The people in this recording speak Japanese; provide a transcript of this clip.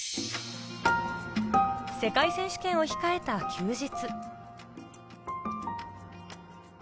世界選手権を控えた休日。